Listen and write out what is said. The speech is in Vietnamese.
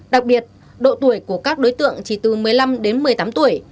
đặc biệt độ tuổi của các đối tượng chỉ từ một mươi năm đến một mươi tám tuổi